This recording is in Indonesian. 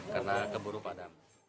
karena keburu padam